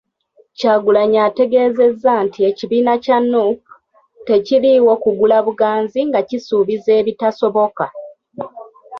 Kyagulanyi ategeezezza nti ekibiina kya Nuupu, tekiriiwo kugula buganzi nga kisuubiza ebitasoboka.